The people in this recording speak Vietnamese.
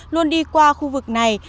luôn đi qua khu vực này